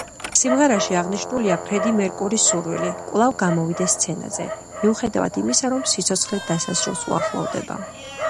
სიმღერაში აღნიშნულია ფრედი მერკურის სურვილი, კვლავ გამოვიდეს სცენაზე, მიუხედავად იმისა, რომ სიცოცხლე დასასრულს უახლოვდება.